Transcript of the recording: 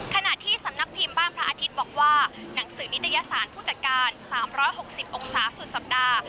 ขณะที่สำนักพิมพ์บ้านพระอาทิตย์บอกว่าหนังสือนิตยสารผู้จัดการ๓๖๐องศาสุดสัปดาห์